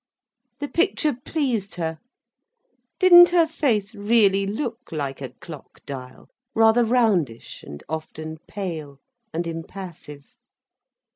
The picture pleased her. Didn't her face really look like a clock dial—rather roundish and often pale, and impassive.